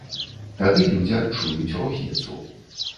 Тады людзі адчуюць розніцу.